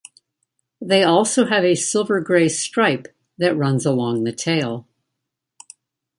They also have a silver-grey stripe that runs along the tail.